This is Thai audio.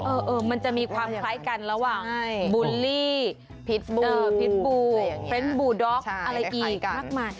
เออมันจะมีความคล้ายกันระหว่างบูลลี่พิษบูพิษบูเฟรนด์บูด็อกอะไรอีกมากมาย